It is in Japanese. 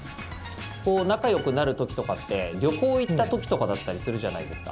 こう仲良くなる時とかって旅行行った時とかだったりするじゃないですか。